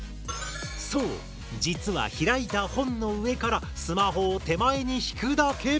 実は開いた本の上からスマホを手前に引くだけ。